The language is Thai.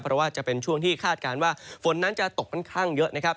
เพราะว่าจะเป็นช่วงที่คาดการณ์ว่าฝนนั้นจะตกค่อนข้างเยอะนะครับ